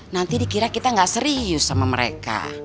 nanti dikira kita nggak serius sama mereka